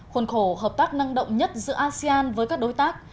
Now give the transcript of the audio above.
khuôn khổ hợp tác năng động nhất giữa asean với các đối tác